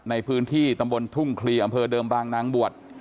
ในพื้นที่ตำบลทุ่งคลีอำเภอเดิมบางนางบวช